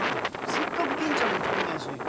せっかく金ちゃんも来とんのやし。